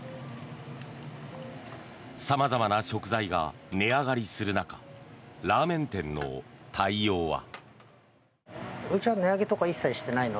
様々な食材が値上がりする中ラーメン店の対応は。